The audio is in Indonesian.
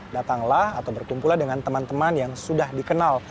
datanglah atau berkumpul dengan teman teman yang sudah dikenal